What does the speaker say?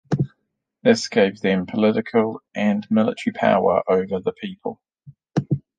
This gave them political and military power over the people.